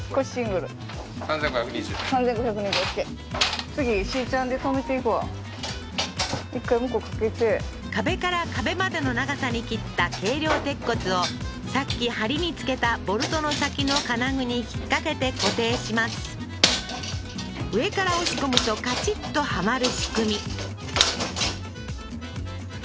３５２０オーケー一回向こう掛けて壁から壁までの長さに切った軽量鉄骨をさっき梁に付けたボルトの先の金具に引っ掛けて固定します上から押し込むとカチッとはまる仕組み